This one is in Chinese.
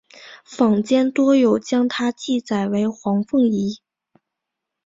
坊间多有将她记载为黄凤仪。